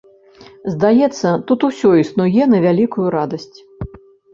Здаецца, тут усё існуе на вялікую радасць.